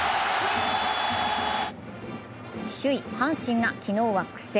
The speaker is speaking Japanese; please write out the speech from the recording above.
首位・阪神が昨日は苦戦。